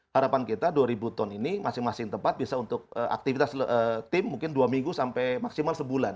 harapan kita dua ribu ton ini masing masing tempat bisa untuk aktivitas tim mungkin dua minggu sampai maksimal sebulan